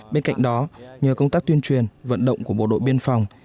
bên cạnh đó nhờ công tác tuyên truyền vận động của bộ đội biên phòng